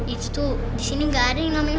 itu tuh disini gak ada yang namanya